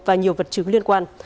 và nhiều vật chứng liên quan